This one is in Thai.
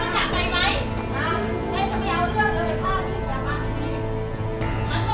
ถ้าพาคุณครูอย่างนี้มันจะได้ไป